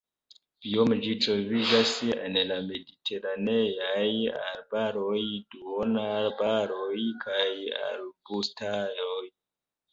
Biome ĝi troviĝas en la mediteraneaj arbaroj, duonarbaroj kaj arbustaroj.